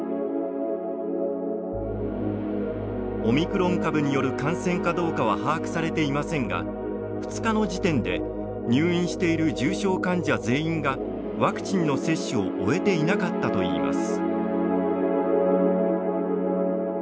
オミクロン株による感染かどうかは把握されていませんが２日の時点で、入院している重症患者全員がワクチンの接種を終えていなかったといいます。